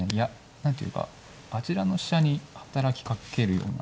何ていうかあちらの飛車に働きかけるような。